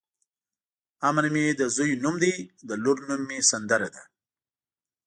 امن مې د ځوی نوم دی د لور نوم مې سندره ده.